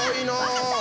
分かった！